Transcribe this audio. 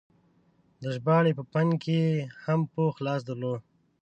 د ژباړې په فن کې یې هم پوخ لاس درلود.